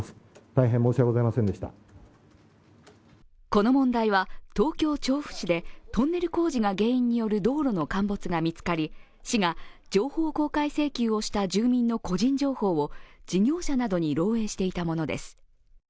この問題は、東京・調布市でトンネル工事が原因による道路の陥没が見つかり市が情報公開をした住民の個人情報を事業者などに漏えいしていたものです。